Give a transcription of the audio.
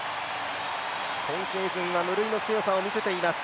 今シーズンは無類の強さを見せています。